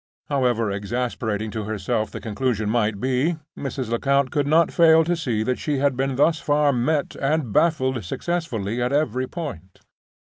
However exasperating to herself the conclusion might be, Mrs. Lecount could not fail to see that she had been thus far met and baffled successfully at every point.